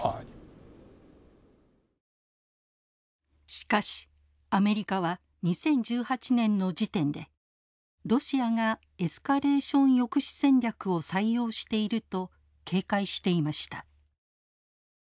しかしアメリカは２０１８年の時点でロシアがエスカレーション抑止戦略を採用していると警戒していました。